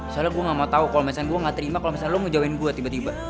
soalnya gua gak mau tau kalo misalnya gua gak terima kalo misalnya lu mau jauhin gua tiba tiba